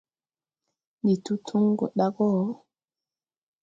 Ndi to tõõ go ɗa go.